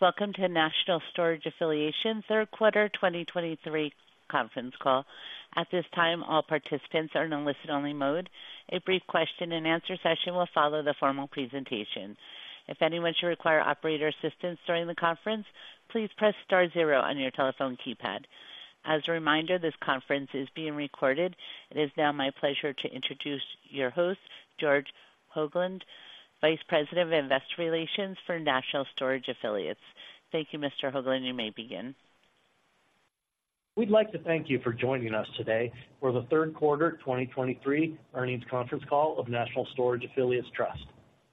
Welcome to National Storage Affiliates Trust third quarter 2023 conference call. At this time, all participants are in listen-only mode. A brief question-and-answer session will follow the formal presentation. If anyone should require operator assistance during the conference, please press star zero on your telephone keypad. As a reminder, this conference is being recorded. It is now my pleasure to introduce your host, George Hoglund, Vice President of Investor Relations for National Storage Affiliates Trust. Thank you, Mr. Hoglund. You may begin. We'd like to thank you for joining us today for the third quarter 2023 earnings conference call of National Storage Affiliates Trust.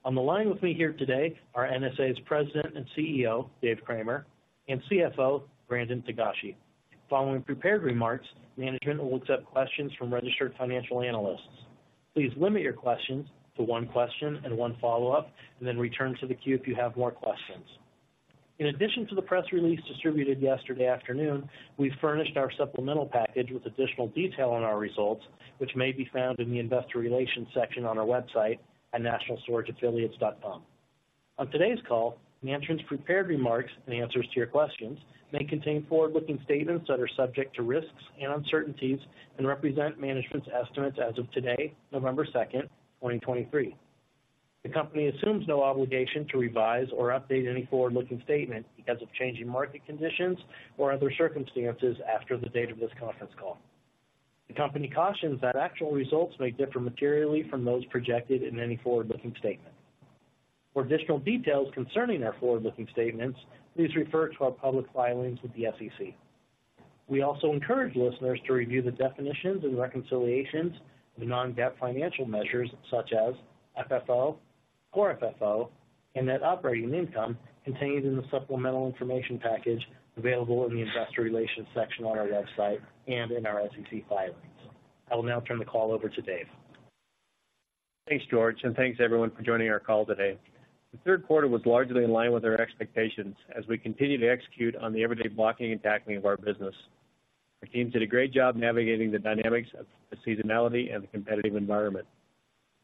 On the line with me here today are NSA's President and CEO, Dave Cramer, and CFO, Brandon Togashi. Following prepared remarks, management will accept questions from registered financial analysts. Please limit your questions to one question and one follow-up, and then return to the queue if you have more questions. In addition to the press release distributed yesterday afternoon, we furnished our supplemental package with additional detail on our results, which may be found in the investor Relations section on our website at nationalstorageaffiliates.com. On today's call, management's prepared remarks and answers to your questions may contain forward-looking statements that are subject to risks and uncertainties and represent management's estimates as of today, November 2nd, 2023. The company assumes no obligation to revise or update any forward-looking statement because of changing market conditions or other circumstances after the date of this conference call. The company cautions that actual results may differ materially from those projected in any forward-looking statement. For additional details concerning our forward-looking statements, please refer to our public filings with the SEC. We also encourage listeners to review the definitions and reconciliations of non-GAAP financial measures such as FFO, core FFO, and net operating income contained in the supplemental information package available in the Investor Relations section on our website and in our SEC filings. I will now turn the call over to Dave. Thanks, George, and thanks everyone for joining our call today. The third quarter was largely in line with our expectations as we continue to execute on the everyday blocking and tackling of our business. Our teams did a great job navigating the dynamics of the seasonality and the competitive environment.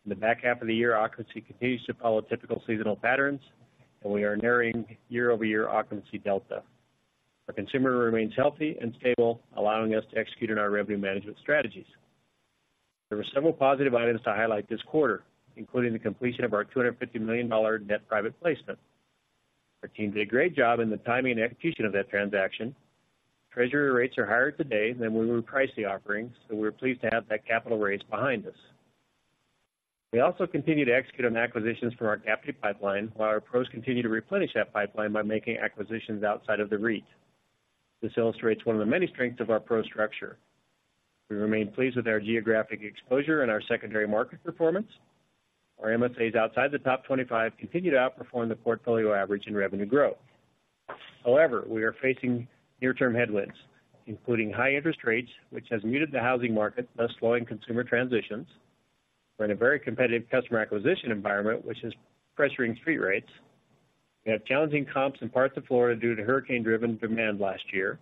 In the back half of the year, occupancy continues to follow typical seasonal patterns, and we are nearing year-over-year occupancy delta. Our consumer remains healthy and stable, allowing us to execute on our revenue management strategies. There were several positive items to highlight this quarter, including the completion of our $250 million net private placement. Our team did a great job in the timing and execution of that transaction. Treasury rates are higher today than when we priced the offering, so we're pleased to have that capital raise behind us. We also continue to execute on acquisitions from our cap rate pipeline, while our PROs continue to replenish that pipeline by making acquisitions outside of the REIT. This illustrates one of the many strengths of our PRO structure. We remain pleased with our geographic exposure and our secondary market performance. Our MSAs outside the top 25 continue to outperform the portfolio average in revenue growth. However, we are facing near-term headwinds, including high interest rates, which has muted the housing market, thus slowing consumer transitions. We're in a very competitive customer acquisition environment, which is pressuring street rates. We have challenging comps in parts of Florida due to hurricane-driven demand last year.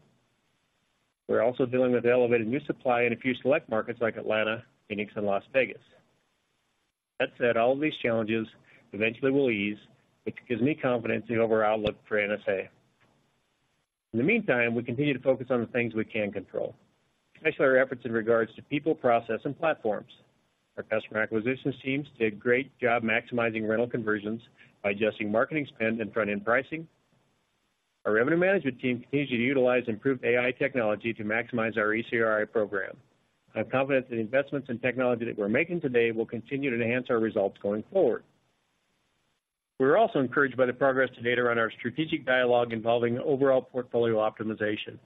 We're also dealing with elevated new supply in a few select markets like Atlanta, Phoenix, and Las Vegas. That said, all of these challenges eventually will ease, which gives me confidence in the overall outlook for NSA. In the meantime, we continue to focus on the things we can control, especially our efforts in regards to people, process, and platforms. Our customer acquisitions teams did a great job maximizing rental conversions by adjusting marketing spend and front-end pricing. Our revenue management team continues to utilize improved AI technology to maximize our ECRI program. I'm confident that the investments in technology that we're making today will continue to enhance our results going forward. We're also encouraged by the progress to date around our strategic dialogue involving overall portfolio optimization,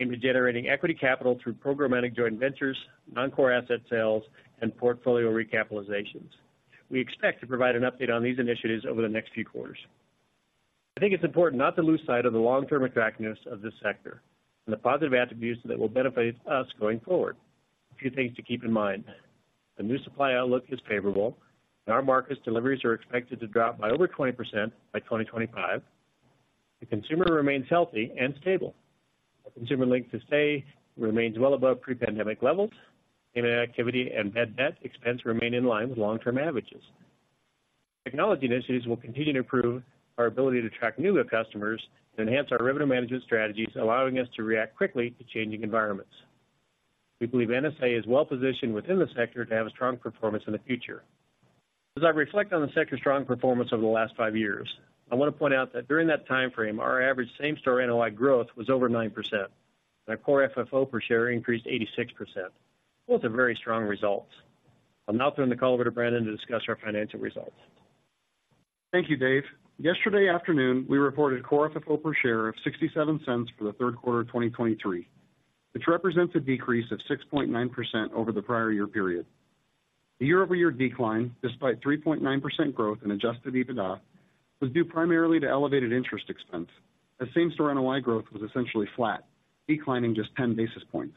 aimed at generating equity capital through programmatic joint ventures, non-core asset sales, and portfolio recapitalizations. We expect to provide an update on these initiatives over the next few quarters. I think it's important not to lose sight of the long-term attractiveness of this sector and the positive attributes that will benefit us going forward. A few things to keep in mind. The new supply outlook is favorable. In our markets, deliveries are expected to drop by over 20% by 2025. The consumer remains healthy and stable. The consumer length of stay remains well above pre-pandemic levels. Payment activity and bad debt expense remain in line with long-term averages. Technology initiatives will continue to improve our ability to track new customers and enhance our revenue management strategies, allowing us to react quickly to changing environments. We believe NSA is well positioned within the sector to have a strong performance in the future. As I reflect on the sector's strong performance over the last 5 years, I want to point out that during that time frame, our average same-store NOI growth was over 9%, and our core FFO per share increased 86%. Those are very strong results. I'll now turn the call over to Brandon to discuss our financial results. Thank you, Dave. Yesterday afternoon, we reported core FFO per share of $0.67 for the third quarter of 2023, which represents a decrease of 6.9% over the prior year period. The year-over-year decline, despite 3.9% growth in Adjusted EBITDA, was due primarily to elevated interest expense, as same-store NOI growth was essentially flat, declining just 10 basis points.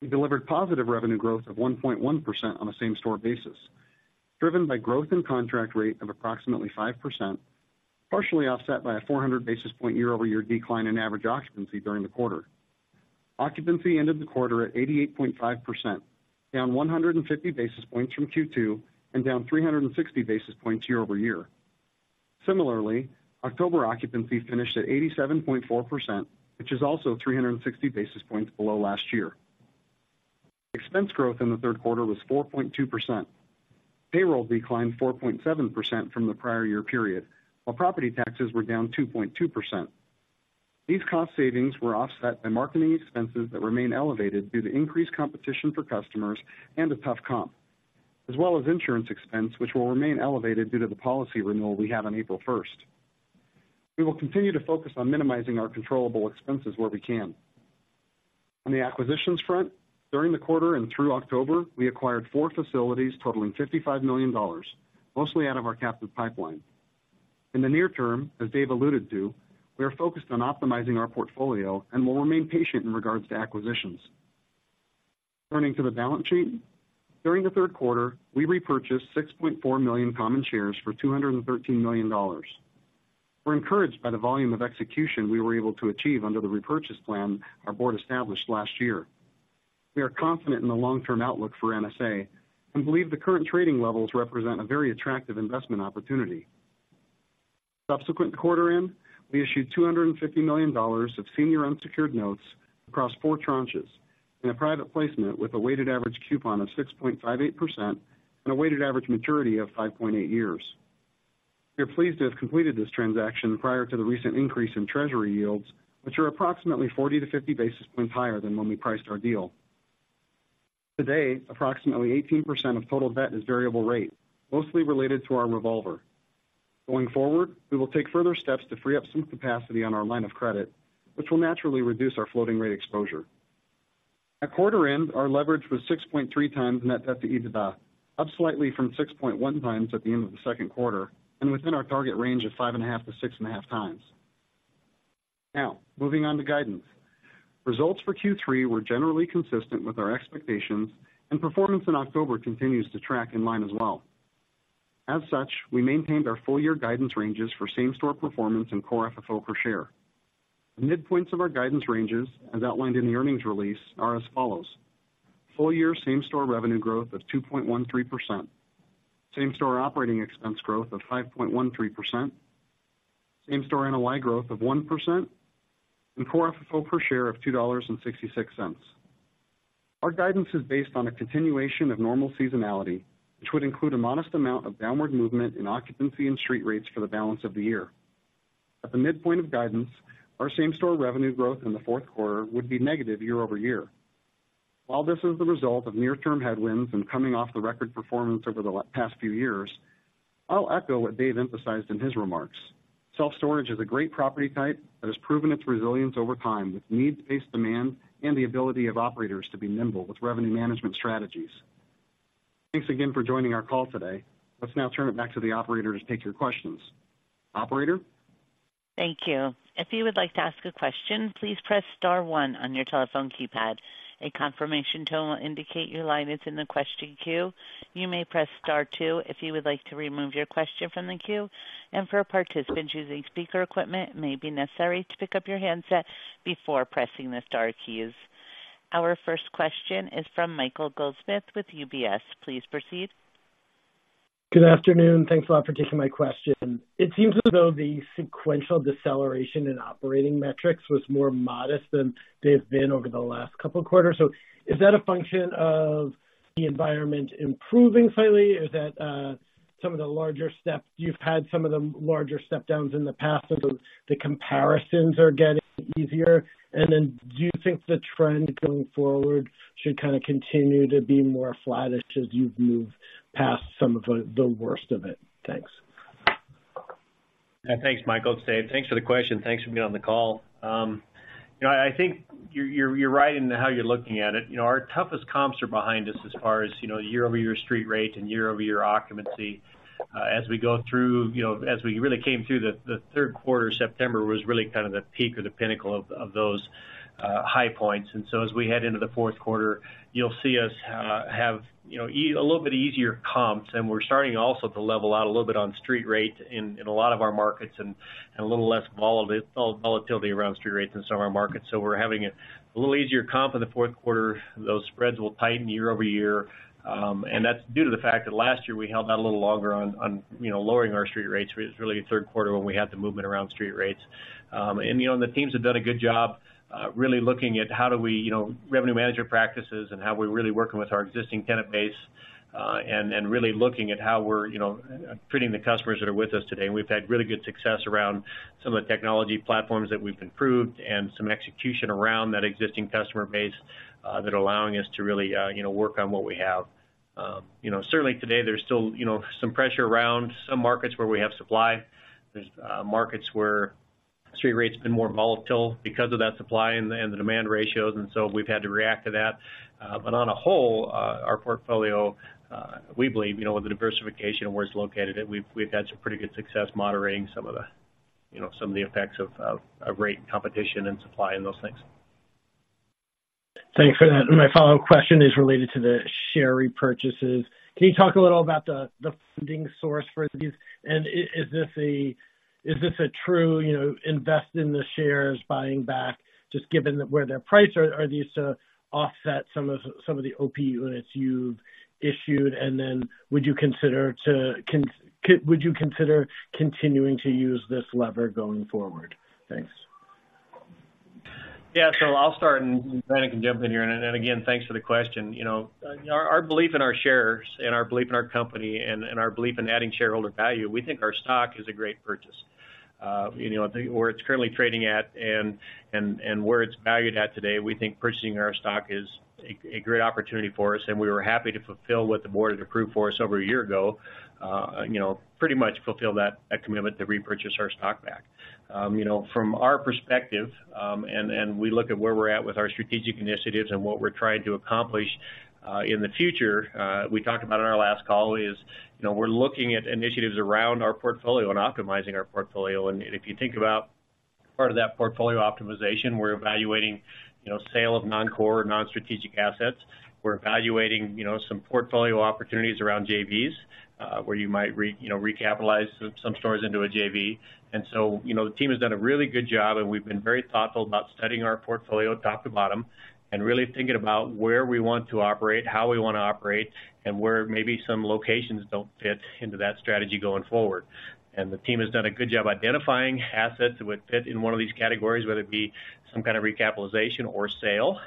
We delivered positive revenue growth of 1.1% on a same-store basis, driven by growth in contract rate of approximately 5%, partially offset by a 400 basis point year-over-year decline in average occupancy during the quarter. Occupancy ended the quarter at 88.5%, down 150 basis points from Q2, and down 360 basis points year-over-year. Similarly, October occupancy finished at 87.4%, which is also 360 basis points below last year. Expense growth in the third quarter was 4.2%. Payroll declined 4.7% from the prior year period, while property taxes were down 2.2%. These cost savings were offset by marketing expenses that remain elevated due to increased competition for customers and a tough comp, as well as insurance expense, which will remain elevated due to the policy renewal we had on April first. We will continue to focus on minimizing our controllable expenses where we can. On the acquisitions front, during the quarter and through October, we acquired four facilities totaling $55 million, mostly out of our captive pipeline. In the near term, as Dave alluded to, we are focused on optimizing our portfolio and will remain patient in regards to acquisitions. Turning to the balance sheet, during the third quarter, we repurchased 6.4 million common shares for $213 million. We're encouraged by the volume of execution we were able to achieve under the repurchase plan our board established last year. We are confident in the long-term outlook for NSA and believe the current trading levels represent a very attractive investment opportunity. Subsequent to quarter end, we issued $250 million of senior unsecured notes across four tranches in a private placement with a weighted average coupon of 6.58% and a weighted average maturity of 5.8 years. We are pleased to have completed this transaction prior to the recent increase in treasury yields, which are approximately 40-50 basis points higher than when we priced our deal. Today, approximately 18% of total debt is variable rate, mostly related to our revolver. Going forward, we will take further steps to free up some capacity on our line of credit, which will naturally reduce our floating rate exposure. At quarter end, our leverage was 6.3x net debt to EBITDA, up slightly from 6.1x at the end of the second quarter, and within our target range of 5.5x-6.5x. Now, moving on to guidance. Results for Q3 were generally consistent with our expectations, and performance in October continues to track in line as well. As such, we maintained our full year guidance ranges for same-store performance and core FFO per share. The midpoints of our guidance ranges, as outlined in the earnings release, are as follows: full year same-store revenue growth of 2.13%, same-store operating expense growth of 5.13%, same-store NOI growth of 1%, and core FFO per share of $2.66. Our guidance is based on a continuation of normal seasonality, which would include a modest amount of downward movement in occupancy and street rates for the balance of the year. At the midpoint of guidance, our same-store revenue growth in the fourth quarter would be negative year-over-year. While this is the result of near-term headwinds and coming off the record performance over the last past few years, I'll echo what Dave emphasized in his remarks. Self-storage is a great property type that has proven its resilience over time, with needs-based demand and the ability of operators to be nimble with revenue management strategies. Thanks again for joining our call today. Let's now turn it back to the operator to take your questions. Operator? Thank you. If you would like to ask a question, please press star one on your telephone keypad. A confirmation tone will indicate your line is in the question queue. You may press star two if you would like to remove your question from the queue. And for participants using speaker equipment, it may be necessary to pick up your handset before pressing the star keys. Our first question is from Michael Goldsmith with UBS. Please proceed. Good afternoon, thanks a lot for taking my question. It seems as though the sequential deceleration in operating metrics was more modest than they've been over the last couple of quarters. So is that a function of the environment improving slightly? Is that some of the larger steps... You've had some of the larger step downs in the past, so the comparisons are getting easier. Then do you think the trend going forward should kind of continue to be more flat as you've moved past some of the worst of it? Thanks. Thanks, Michael. It's Dave. Thanks for the question. Thanks for being on the call. You know, I think you're, you're, you're right in how you're looking at it. You know, our toughest comps are behind us as far as, you know, year-over-year street rate and year-over-year occupancy. As we go through, you know, as we really came through the, the third quarter, September was really kind of the peak or the pinnacle of, of those, high points. And so as we head into the fourth quarter, you'll see us, uh, have, you know, a little bit easier comps, and we're starting also to level out a little bit on street rate in, in a lot of our markets and, and a little less volatility around street rates in some of our markets. So we're having a little easier comp in the fourth quarter. Those spreads will tighten year over year, and that's due to the fact that last year we held out a little longer on you know, lowering our street rates. It was really in the third quarter when we had the movement around street rates. And you know, the teams have done a good job, really looking at how do we, you know, revenue management practices and how we're really working with our existing tenant base, and really looking at how we're, you know, treating the customers that are with us today. And we've had really good success around some of the technology platforms that we've improved and some execution around that existing customer base, that are allowing us to really, you know, work on what we have. You know, certainly today, there's still, you know, some pressure around some markets where we have supply. There's markets where street rates have been more volatile because of that supply and the, and the demand ratios, and so we've had to react to that. But on a whole, our portfolio, we believe, you know, with the diversification of where it's located, that we've, we've had some pretty good success moderating some of the, you know, some of the effects of rate competition and supply and those things. Thanks for that. And my follow-up question is related to the share repurchases. Can you talk a little about the funding source for these? And is this a true, you know, investment in the shares, buying back, just given where their prices are? Are these to offset some of the OP units you've issued? And then would you consider continuing to use this leverage going forward? Thanks. Yeah, so I'll start, and Brandon can jump in here. And again, thanks for the question. You know, our belief in our shares and our belief in our company and our belief in adding shareholder value, we think our stock is a great purchase. You know, I think where it's currently trading at and where it's valued at today, we think purchasing our stock is a great opportunity for us, and we were happy to fulfill what the board had approved for us over a year ago. You know, pretty much fulfill that commitment to repurchase our stock back. You know, from our perspective, and we look at where we're at with our strategic initiatives and what we're trying to accomplish in the future, we talked about on our last call is, you know, we're looking at initiatives around our portfolio and optimizing our portfolio. And if you think about part of that portfolio optimization, we're evaluating, you know, sale of non-core, non-strategic assets. We're evaluating, you know, some portfolio opportunities around JVs, where you might you know, recapitalize some stores into a JV and so, you know, the team has done a really good job, and we've been very thoughtful about studying our portfolio top to bottom and really thinking about where we want to operate, how we want to operate, and where maybe some locations don't fit into that strategy going forward. The team has done a good job identifying assets that would fit in one of these categories, whether it be some kind of recapitalization or sale,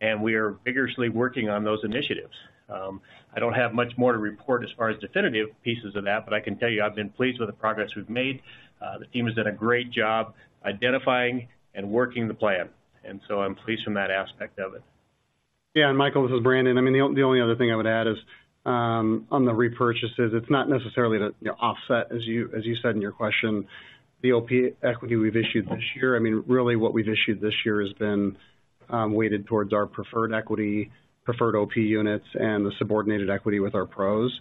and we are vigorously working on those initiatives. I don't have much more to report as far as definitive pieces of that, but I can tell you I've been pleased with the progress we've made. The team has done a great job identifying and working the plan, and so I'm pleased from that aspect of it. Yeah, and Michael, this is Brandon. I mean, the only other thing I would add is, on the repurchases, it's not necessarily to, you know, offset, as you said in your question, the OP equity we've issued this year. I mean, really what we've issued this year has been weighted towards our preferred equity, preferred OP units, and the subordinated equity with our PROs.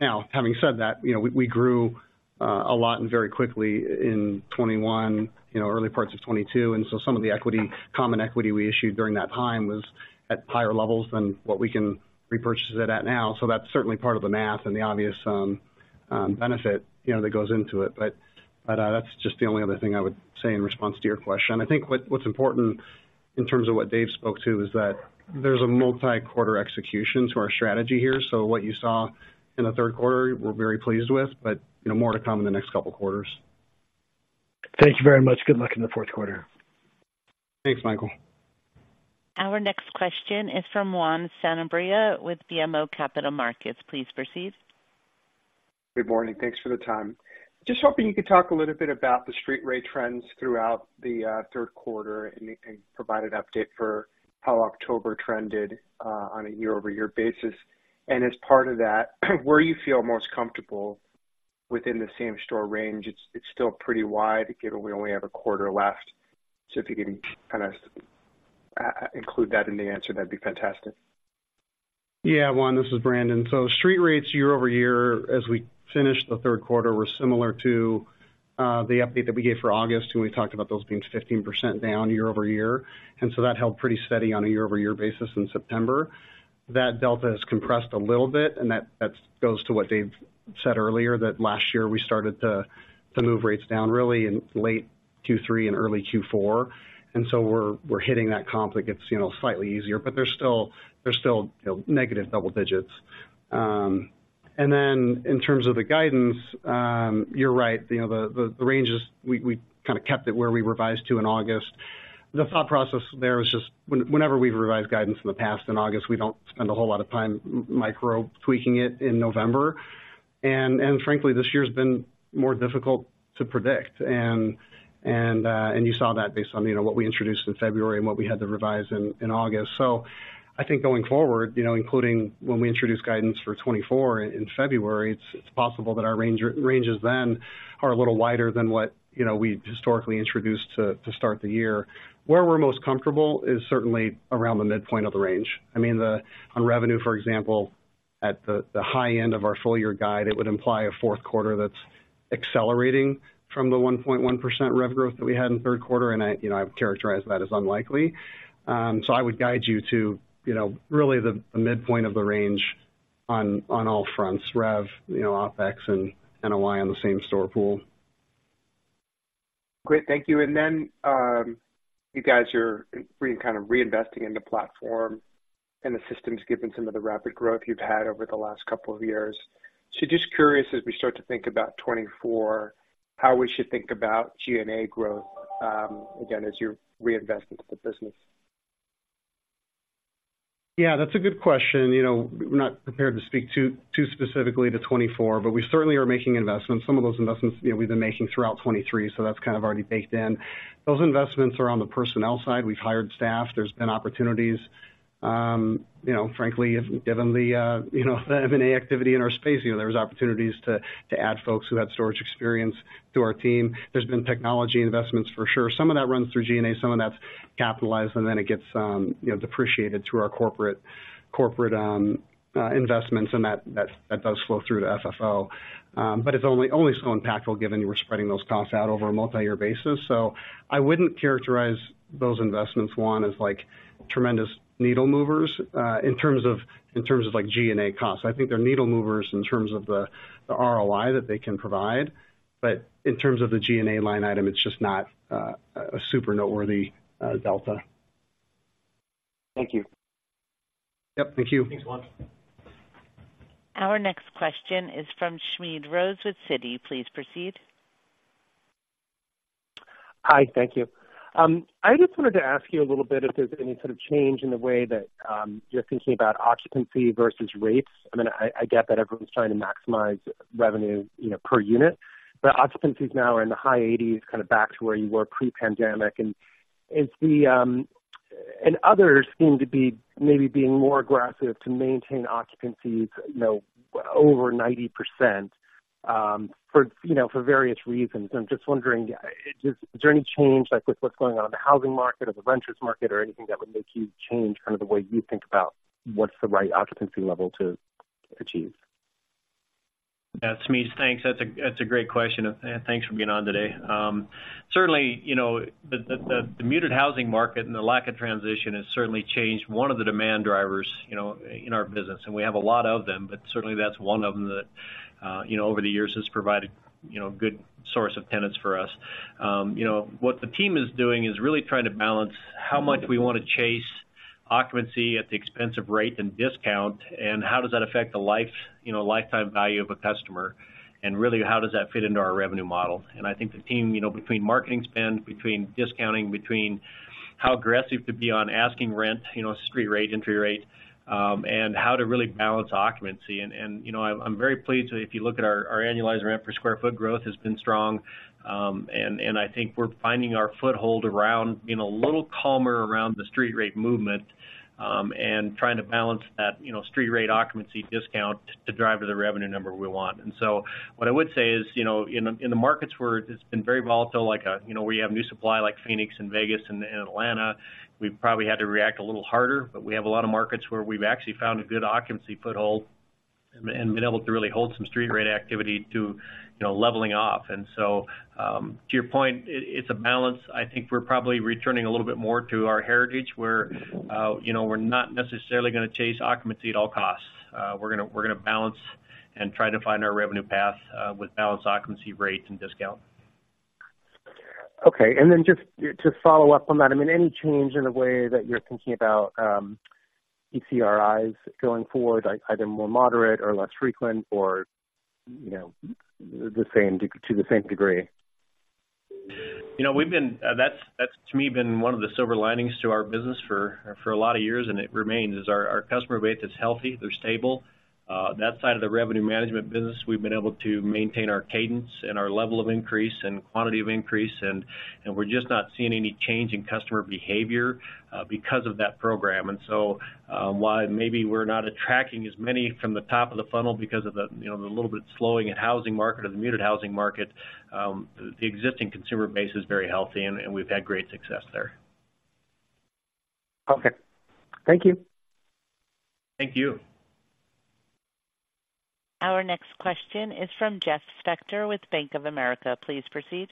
Now, having said that, you know, we grew a lot and very quickly in 2021, you know, early parts of 2022, and so some of the equity, common equity we issued during that time was at higher levels than what we can repurchase it at now. So that's certainly part of the math and the obvious benefit, you know, that goes into it. But that's just the only other thing I would say in response to your question. I think what's important in terms of what Dave spoke to is that there's a multi-quarter execution to our strategy here. So what you saw in the third quarter, we're very pleased with, but, you know, more to come in the next couple of quarters. Thank you very much. Good luck in the fourth quarter. Thanks, Michael. Our next question is from Juan Sanabria with BMO Capital Markets. Please proceed. Good morning. Thanks for the time. Just hoping you could talk a little bit about the street rate trends throughout the third quarter and provide an update for how October trended on a year-over-year basis. And as part of that, where you feel most comfortable within the same-store range, it's still pretty wide, given we only have a quarter left. So if you can kind of include that in the answer, that'd be fantastic. Yeah, Juan, this is Brandon. So street rates year-over-year, as we finished the third quarter, were similar to the update that we gave for August, when we talked about those being 15% down year-over-year. And so that held pretty steady on a year-over-year basis in September. That delta has compressed a little bit, and that goes to what Dave said earlier, that last year we started to move rates down really in late Q3 and early Q4. And so we're hitting that comp that gets, you know, slightly easier, but they're still negative double digits. And then in terms of the guidance, you're right. You know, the ranges, we kind of kept it where we revised to in August. The thought process there is just whenever we've revised guidance in the past in August, we don't spend a whole lot of time micro tweaking it in November. And frankly, this year's been more difficult to predict. And you saw that based on, you know, what we introduced in February and what we had to revise in August. So I think going forward, you know, including when we introduce guidance for 2024 in February, it's possible that our ranges then are a little wider than what, you know, we historically introduced to start the year. Where we're most comfortable is certainly around the midpoint of the range. I mean, the... On revenue, for example, at the high end of our full year guide, it would imply a fourth quarter that's accelerating from the 1.1 rev growth that we had in the third quarter, and I, you know, I've characterized that as unlikely. So I would guide you to, you know, really the midpoint of the range on all fronts, rev, you know, OpEx and NOI on the same store pool. Great. Thank you. And then, you guys are kind of reinvesting in the platform and the systems, given some of the rapid growth you've had over the last couple of years. So just curious, as we start to think about 2024, how we should think about G&A growth, again, as you reinvest into the business? Yeah, that's a good question. You know, we're not prepared to speak too, too specifically to 2024, but we certainly are making investments. Some of those investments, you know, we've been making throughout 2023, so that's kind of already baked in. Those investments are on the personnel side. We've hired staff. There's been opportunities. You know, frankly, given the, you know, the M&A activity in our space, you know, there's opportunities to add folks who had storage experience to our team. There's been technology investments for sure. Some of that runs through G&A, some of that's capitalized, and then it gets, you know, depreciated through our corporate investments, and that does flow through to FFO. But it's only so impactful given we're spreading those costs out over a multi-year basis. So I wouldn't characterize those investments, Juan, as, like, tremendous needle movers in terms of like G&A costs. I think they're needle movers in terms of the ROI that they can provide, but in terms of the G&A line item, it's just not a super noteworthy dThank you. Yep, thank you. Thanks a lot. Our next question is from Smedes Rose with Citi. Please proceed. Hi, thank you. I just wanted to ask you a little bit if there's any sort of change in the way that, you're thinking about occupancy versus rates. I mean, I, I get that everyone's trying to maximize revenue, you know, per unit, but occupancies now are in the high 80s, kind of back to where you were pre-pandemic. And is the, and others seem to be maybe being more aggressive to maintain occupancies, you know, over 90%, for, you know, for various reasons. I'm just wondering, is, is there any change, like, with what's going on in the housing market or the renters market or anything that would make you change kind of the way you think about what's the right occupancy level to achieve? Yeah, Smedes, thanks. That's a great question, and thanks for being on today. Certainly, you know, the muted housing market and the lack of transition has certainly changed one of the demand drivers, you know, in our business, and we have a lot of them, but certainly that's one of them that, you know, over the years has provided, you know, a good source of tenants for us. You know, what the team is doing is really trying to balance how much we want to chase occupancy at the expense of rate and discount, and how does that affect the life, you know, lifetime value of a customer, and really, how does that fit into our revenue model? I think the team, you know, between marketing spend, between discounting, between how aggressive to be on asking rent, you know, street rate, entry rate, and how to really balance occupancy. And you know, I'm very pleased. If you look at our annualized rent per square foot growth has been strong, and I think we're finding our foothold around being a little calmer around the street rate movement, and trying to balance that, you know, street rate occupancy discount to drive to the revenue number we want. And so what I would say is, you know, in the markets where it's been very volatile, like, you know, we have new supply like Phoenix and Vegas and Atlanta, we've probably had to react a little harder. But we have a lot of markets where we've actually found a good occupancy foothold and been able to really hold some street rate activity to, you know, leveling off. And so, to your point, it's a balance. I think we're probably returning a little bit more to our heritage, where, you know, we're not necessarily going to chase occupancy at all costs. We're gonna, we're gonna balance and try to find our revenue path, with balanced occupancy rates and discount. Okay. And then just to follow up on that, I mean, any change in the way that you're thinking about, ECRI's going forward, like, either more moderate or less frequent or, you know, the same, to the same degree? You know, we've been... That's, to me, been one of the silver linings to our business for a lot of years, and it remains, is our customer base is healthy, they're stable. That side of the revenue management business, we've been able to maintain our cadence and our level of increase and quantity of increase, and we're just not seeing any change in customer behavior because of that program. And so, while maybe we're not attracting as many from the top of the funnel because of the, you know, the little bit slowing in housing market or the muted housing market, the existing consumer base is very healthy, and we've had great success there. Okay. Thank you. Thank you. Our next question is from Jeff Spector with Bank of America. Please proceed.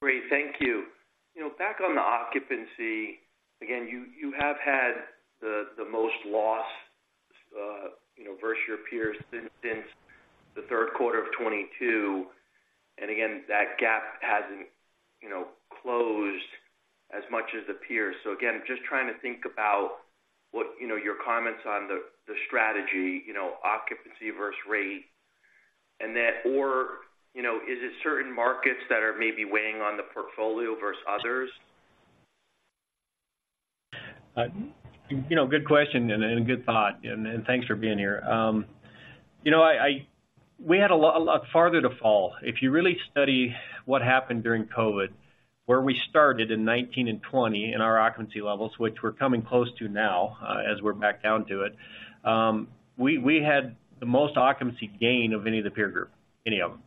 Great. Thank you. You know, back on the occupancy, again, you have had the most loss, you know, versus your peers since the third quarter of 2022, and again, that gap hasn't, you know, closed as much as the peers. So again, just trying to think about what... You know, your comments on the strategy, you know, occupancy versus rate, and then or, you know, is it certain markets that are maybe weighing on the portfolio versus others? You know, good question and, and good thought, and, and thanks for being here. You know, I—we had a lot, a lot farther to fall. If you really study what happened during COVID, where we started in 2019 and 2020 in our occupancy levels, which we're coming close to now, as we're back down to it, we had the most occupancy gain of any of the peer group, any of them.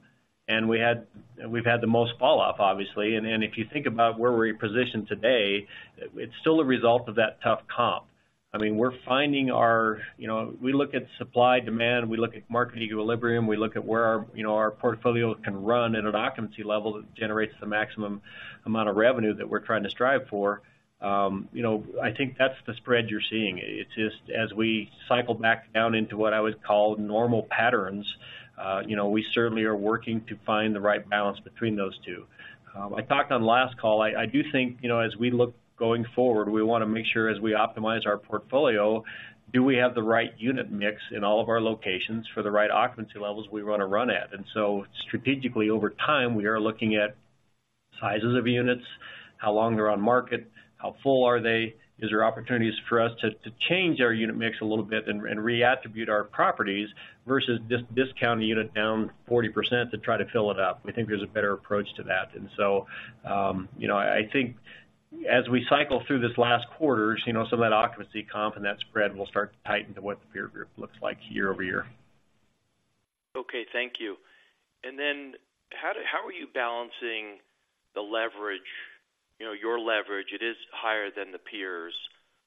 And we had—we've had the most falloff, obviously. And, and if you think about where we're positioned today, it's still a result of that tough comp. I mean, we're finding our... You know, we look at supply, demand, we look at market equilibrium, we look at where our, you know, our portfolio can run at an occupancy level that generates the maximum amount of revenue that we're trying to strive for. You know, I think that's the spread you're seeing. It's just as we cycle back down into what I would call normal patterns, you know, we certainly are working to find the right balance between those two. I talked on last call. I do think, you know, as we look going forward, we want to make sure as we optimize our portfolio, do we have the right unit mix in all of our locations for the right occupancy levels we want to run at? And so strategically, over time, we are looking at sizes of units, how long they're on market, how full are they? Is there opportunities for us to change our unit mix a little bit and reattribute our properties versus discounting the unit down 40% to try to fill it up? We think there's a better approach to that. And so, you know, I think as we cycle through this last quarters, you know, some of that occupancy comp and that spread will start to tighten to what the peer group looks like year-over-year. Okay, thank you. And then how are you balancing the leverage? You know, your leverage, it is higher than the peers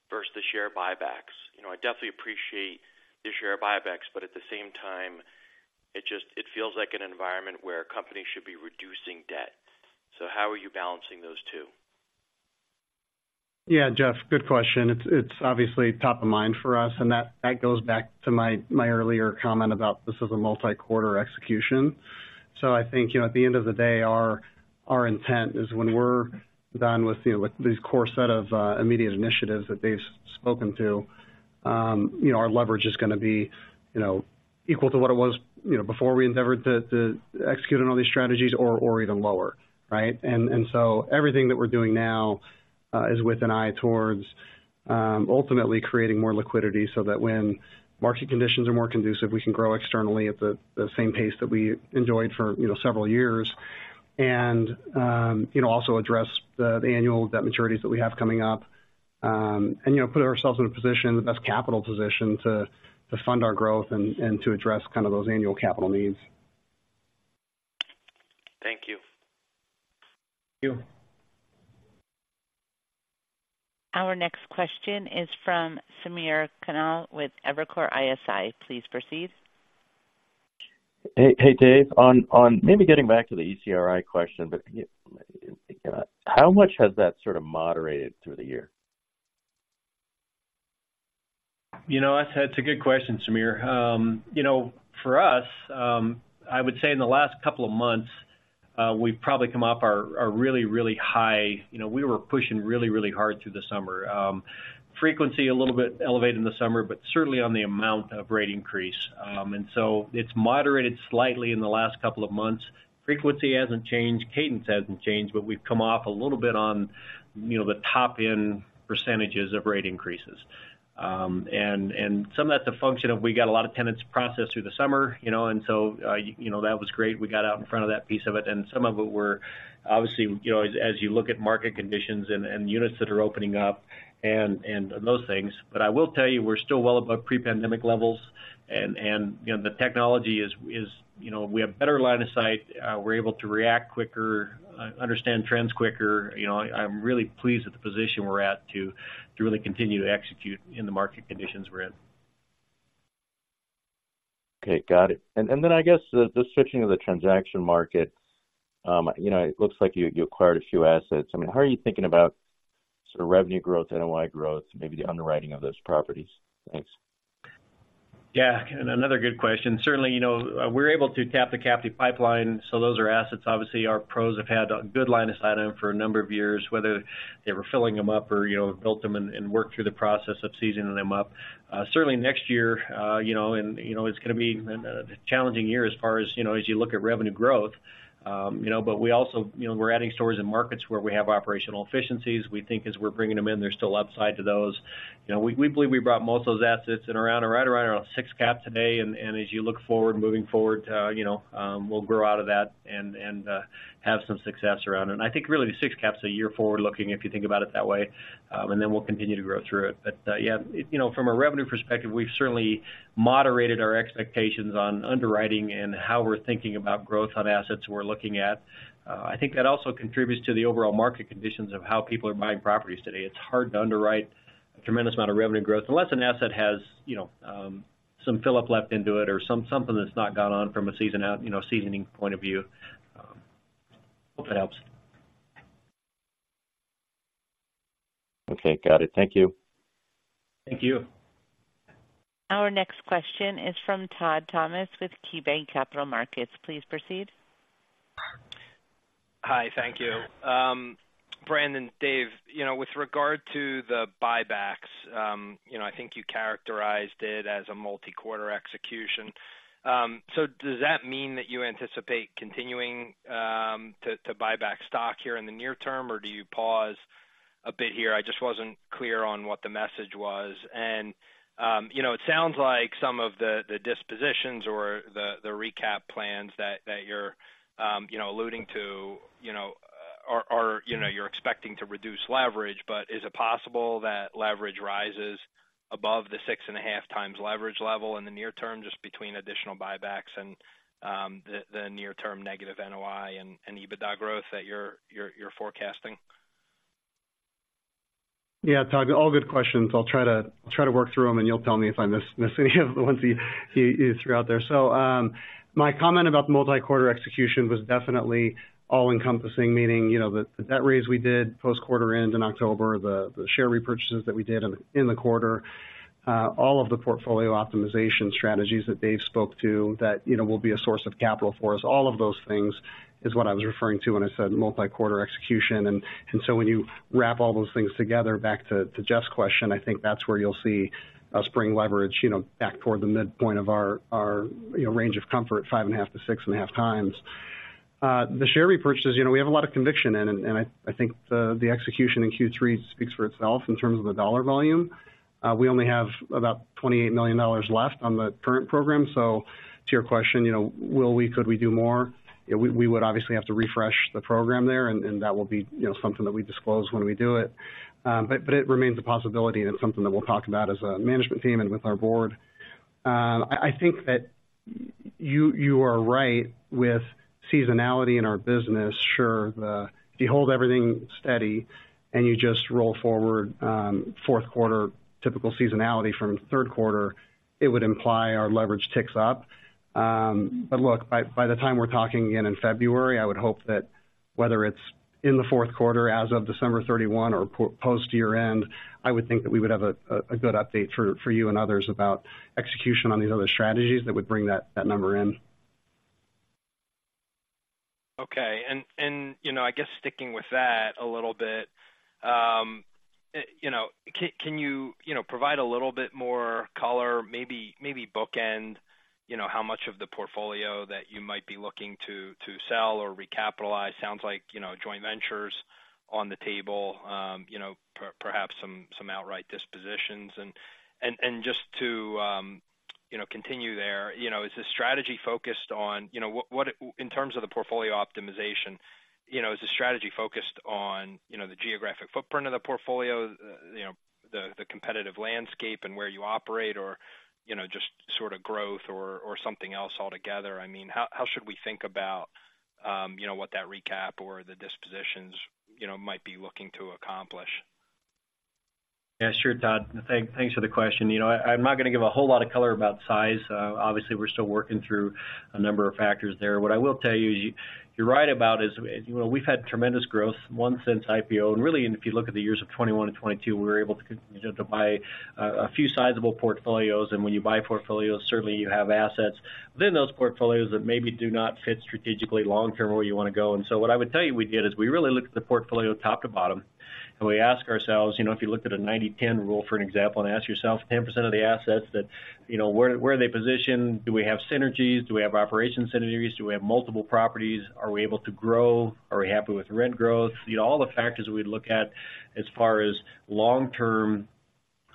versus the share buybacks. You know, I definitely appreciate the share buybacks, but at the same time, it just, it feels like an environment where companies should be reducing debt. So how are you balancing those two? Yeah, Jeff, good question. It's, it's obviously top of mind for us, and that, that goes back to my, my earlier comment about this is a multi-quarter execution. So I think, you know, at the end of the day, our, our intent is when we're done with, you know, with these core set of immediate initiatives that Dave's spoken to, you know, our leverage is gonna be, you know, equal to what it was, you know, before we endeavored to, to execute on all these strategies or, or even lower, right? And, and so everything that we're doing now is with an eye towards ultimately creating more liquidity so that when market conditions are more conducive, we can grow externally at the, the same pace that we enjoyed for, you know, several years. And, you know, also address the annual debt maturities that we have coming up, and, you know, put ourselves in the best capital position to fund our growth and to address kind of those annual capital needs. Thank you. Thank you. Our next question is from Samir Khanal with Evercore ISI. Please proceed. Hey, Dave. On maybe getting back to the ECRI question, but, you know, how much has that sort of moderated through the year? You know, that's a good question, Samir. You know, for us, I would say in the last couple of months, we've probably come off our really, really high... You know, we were pushing really, really hard through the summer. Frequency, a little bit elevated in the summer, but certainly on the amount of rate increase. And so it's moderated slightly in the last couple of months. Frequency hasn't changed, cadence hasn't changed, but we've come off a little bit on, you know, the top-end percentages of rate increases. And some of that's a function of we got a lot of tenants processed through the summer, you know, and so, you know, that was great. We got out in front of that piece of it, and some of it we're obviously, you know, as you look at market conditions and units that are opening up and those things. But I will tell you, we're still well above pre-pandemic levels and, you know, the technology is, you know, we have better line of sight. We're able to react quicker, understand trends quicker. You know, I'm really pleased with the position we're at to really continue to execute in the market conditions we're in. Okay, got it. And then I guess the switching of the transaction market, you know, it looks like you acquired a few assets. I mean, how are you thinking about sort of revenue growth, NOI growth, maybe the underwriting of those properties? Thanks. Yeah, and another good question. Certainly, you know, we're able to tap the captive pipeline, so those are assets. Obviously, our PROs have had a good line of sight on them for a number of years, whether they were filling them up or, you know, built them and worked through the process of seasoning them up. Certainly next year, you know, it's gonna be a challenging year as far as, you know, as you look at revenue growth. You know, but we also, you know, we're adding stores and markets where we have operational efficiencies. We think as we're bringing them in, there's still upside to those. You know, we believe we brought most of those assets in around, right around 6 cap today. And as you look forward, moving forward, you know, we'll grow out of that and have some success around it. And I think really the 6 cap is a year forward looking, if you think about it that way. Then we'll continue to grow through it. But yeah, you know, from a revenue perspective, we've certainly moderated our expectations on underwriting and how we're thinking about growth on assets we're looking at. I think that also contributes to the overall market conditions of how people are buying properties today. It's hard to underwrite a tremendous amount of revenue growth unless an asset has, you know, some fill-up left into it or something that's not gone on from a seasoning point of view, you know. Hope that helps. Okay, got it. Thank you. Thank you. Our next question is from Todd Thomas with KeyBanc Capital Markets. Please proceed. Hi, thank you. Brandon, Dave, you know, with regard to the buybacks, you know, I think you characterized it as a multi-quarter execution. So does that mean that you anticipate continuing to buy back stock here in the near term, or do you pause a bit here? I just wasn't clear on what the message was. You know, it sounds like some of the dispositions or the recap plans that you're you know, alluding to, you know, are. You know, you're expecting to reduce leverage, but is it possible that leverage rises above the 6.5 times leverage level in the near term, just between additional buybacks and the near-term negative NOI and EBITDA growth that you're forecasting? Yeah, Todd, All good questions. I'll try to work through them, and you'll tell me if I miss any of the ones you threw out there. So, my comment about the multi-quarter execution was definitely all-encompassing, meaning, you know, the debt raise we did post quarter end in October, the share repurchases that we did in the quarter, all of the portfolio optimization strategies that Dave spoke to that, you know, will be a source of capital for us. All of those things is what I was referring to when I said multi-quarter execution. And so when you wrap all those things together, back to Jeff's question, I think that's where you'll see us bring leverage, you know, back toward the midpoint of our range of comfort, 5.5x to 6.5x. The share repurchases, you know, we have a lot of conviction in, and I think the execution in Q3 speaks for itself in terms of the dollar volume. We only have about $28 million left on the current program. So to your question, you know, will we, could we do more? We would obviously have to refresh the program there, and that will be, you know, something that we disclose when we do it. But it remains a possibility, and it's something that we'll talk about as a management team and with our board. I think that you are right with seasonality in our business. Sure, if you hold everything steady and you just roll forward, fourth quarter, typical seasonality from third quarter, it would imply our leverage ticks up. But look, by the time we're talking again in February, I would hope that whether it's in the fourth quarter as of December 31 or post-year-end, I would think that we would have a good update for you and others about execution on these other strategies that would bring that number in. Okay, and you know, I guess sticking with that a little bit, you know, can you, you know, provide a little bit more color, maybe bookend, you know, how much of the portfolio that you might be looking to sell or recapitalize? Sounds like, you know, joint ventures on the table, you know, perhaps some outright dispositions. Just to continue there, you know, is this strategy focused on... You know, what in terms of the portfolio optimization, you know, is the strategy focused on, you know, the geographic footprint of the portfolio, you know, the competitive landscape and where you operate or, you know, just sort of growth or something else altogether? I mean, how, how should we think about, you know, what that recap or the dispositions, you know, might be looking to accomplish? Yeah, sure, Todd. Thanks for the question. You know, I'm not gonna give a whole lot of color about size. Obviously, we're still working through a number of factors there. What I will tell you is, you're right about is, you know, we've had tremendous growth since IPO, and really, and if you look at the years of 2021 and 2022, we were able to continue to buy a few sizable portfolios. And when you buy portfolios, certainly you have assets within those portfolios that maybe do not fit strategically long-term where you wanna go. So what I would tell you we did is we really looked at the portfolio top to bottom, and we ask ourselves: You know, if you looked at a 90/10 rule, for an example, and ask yourself 10% of the assets that, you know, where, where are they positioned? Do we have Synergies? Do we have operation Synergies? Do we have multiple properties? Are we able to grow? Are we happy with rent growth? You know, all the factors that we'd look at as far as long-term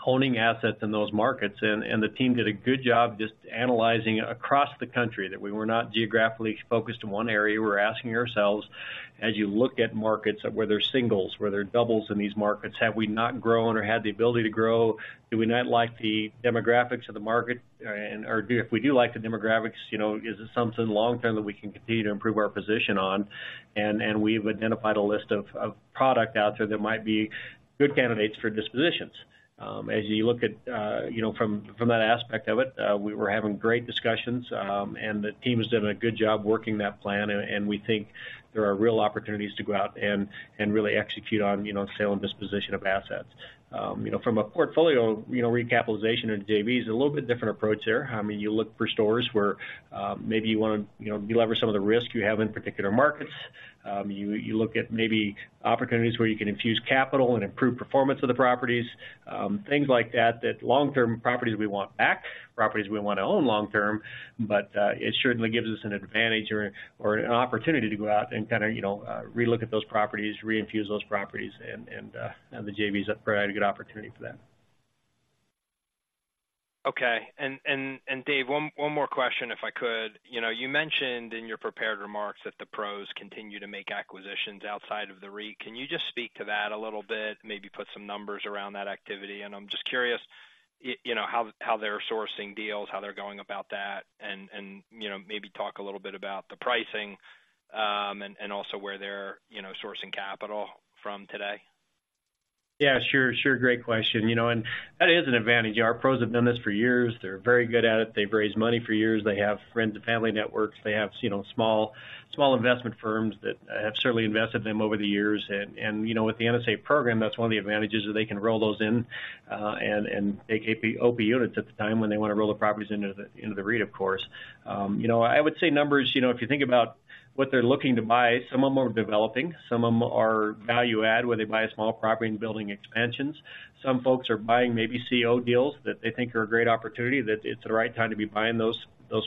honing assets in those markets. And the team did a good job just analyzing across the country, that we were not geographically focused in one area. We're asking ourselves, as you look at markets, where there are singles, where there are doubles in these markets, have we not grown or had the ability to grow? Do we not like the demographics of the market? And-- or do... If we do like the demographics, you know, is this something long-term that we can continue to improve our position on? And we've identified a list of product out there that might be good candidates for dispositions. As you look at, you know, from that aspect of it, we were having great discussions, and the team has done a good job working that plan, and we think there are real opportunities to go out and really execute on, you know, sale and disposition of assets. You know, from a portfolio, you know, recapitalization into JVs, a little bit different approach there. I mean, you look for stores where, maybe you wanna, you know, deliver some of the risk you have in particular markets. You look at maybe opportunities where you can infuse capital and improve performance of the properties, things like that, that long-term properties we want back, properties we wanna own long term, but it certainly gives us an advantage or an opportunity to go out and kind of, you know, relook at those properties, reinfuse those properties, and the JVs provide a good opportunity for that. Okay. Dave, one more question, if I could. You know, you mentioned in your prepared remarks that the pros continue to make acquisitions outside of the REIT. Can you just speak to that a little bit? Maybe put some numbers around that activity. And I'm just curious, you know, how they're sourcing deals, how they're going about that, and you know, maybe talk a little bit about the pricing, and also where they're you know, sourcing capital from today. Yeah, sure. Sure. Great question. You know, and that is an advantage. Our pros have done this for years. They're very good at it. They've raised money for years. They have friends and family networks. They have, you know, small investment firms that have certainly invested in them over the years. And, you know, with the NSA program, that's one of the advantages, that they can roll those in, and take OP units at the time when they want to roll the properties into the REIT, of course. You know, I would say numbers, you know, if you think about what they're looking to buy, some of them are developing, some of them are value add, where they buy a small property and building expansions. Some folks are buying maybe CO deals that they think are a great opportunity, that it's the right time to be buying those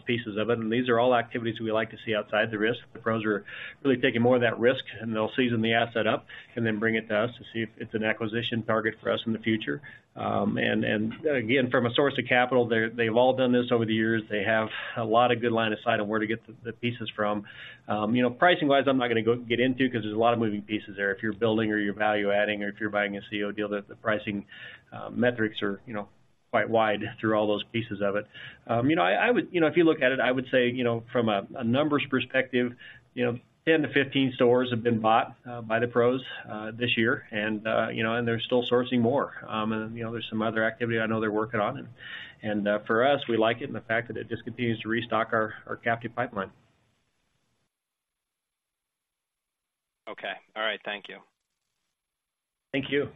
pieces of it. And these are all activities we like to see outside the risk. The pros are really taking more of that risk, and they'll season the asset up and then bring it to us to see if it's an acquisition target for us in the future. And again, from a source of capital, they've all done this over the years. They have a lot of good line of sight on where to get the pieces from. You know, pricing-wise, I'm not gonna get into, because there's a lot of moving pieces there. If you're building or you're value adding or if you're buying a CO deal, the pricing metrics are, you know, quite wide through all those pieces of it. You know, if you look at it, I would say, you know, from a numbers perspective, you know, 10-15 stores have been bought by the PROs this year, and, you know, and they're still sourcing more. And, you know, there's some other activity I know they're working on. And for us, we like it, and the fact that it just continues to restock our captive pipeline. Okay. All right, thank you. Thank you.